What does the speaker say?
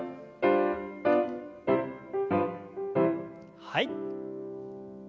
はい。